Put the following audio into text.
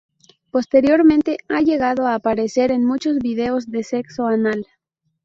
Posteriormente ha llegado a aparecer en muchos vídeos de sexo anal.